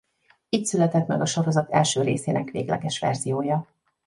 Így született meg a sorozat első részének végleges verziója.